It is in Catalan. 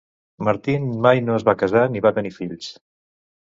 Martin mai no es va casar ni va tenir fills.